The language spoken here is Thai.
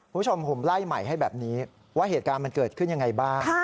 คุณผู้ชมผมไล่ใหม่ให้แบบนี้ว่าเหตุการณ์มันเกิดขึ้นยังไงบ้าง